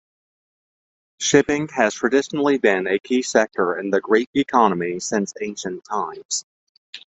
Shipping has traditionally been a key sector in the Greek economy since ancient times.